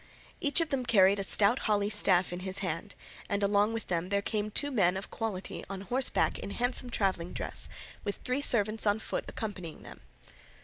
Each of them carried a stout holly staff in his hand, and along with them there came two men of quality on horseback in handsome travelling dress, with three servants on foot accompanying them.